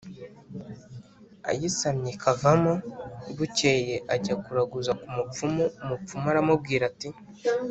ayisamye ikavamo. bukeye ajya kuraguza ku mupfumu, umupfumu aramubwira ati: